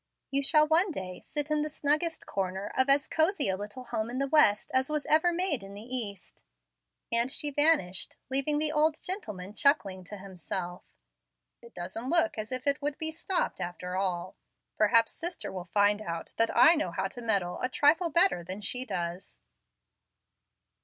You shall, one day, sit in the snuggest corner of as cosy a little home in the West as was ever made in the East;" and she vanished, leaving the old gentleman chuckling to himself, "It doesn't look as if it would be 'stopped' after all. Perhaps sister will find out that I know how to meddle a trifle better than she does."